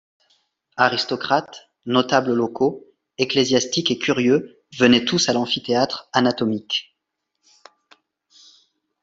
Aristocrates, notables locaux, ecclésiastiques et curieux venaient tous à l'amphithéâtre anatomique.